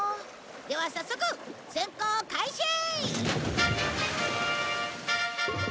では早速潜航開始！